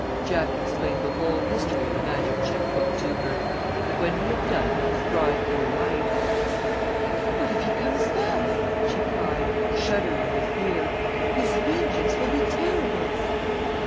Jack explained the whole history of the magic check book to her, but when he had done, his bride grew white. "But what if he comes back?" she cried, shuddering with fear. "His vengeance will be terrible."